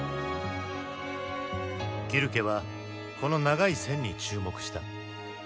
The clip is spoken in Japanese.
ギュルケはこの長い線に注目した。